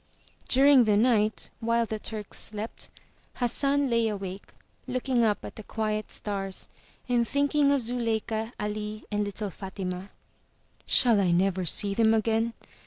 '* During the night, while the Turks slept, Hassan lay awake, looking up at the quiet stars, and thinking of Zuleika, Ali, and little Fatima. * 'Shall I never see them again?